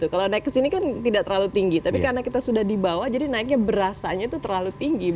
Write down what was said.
kalau naik ke sini kan tidak terlalu tinggi tapi karena kita sudah di bawah jadi naiknya berasanya itu terlalu tinggi